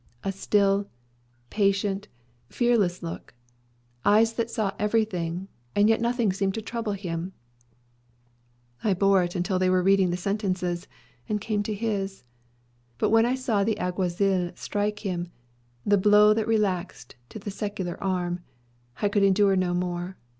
A still, patient, fearless look, eyes that saw everything; and yet nothing seemed to trouble him. I bore it until they were reading the sentences, and came to his. But when I saw the Alguazil strike him the blow that relaxed to the secular arm I could endure no more.